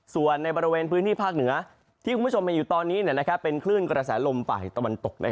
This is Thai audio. ส่วนในบริเวณพื้นที่ภาคเหนือที่คุณผู้ชมเห็นอยู่ตอนนี้เป็นคลื่นกระแสลมฝ่ายตะวันตก